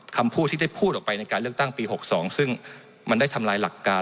คำพูดที่ได้พูดออกไปในการเลือกตั้งปี๖๒ซึ่งมันได้ทำลายหลักการ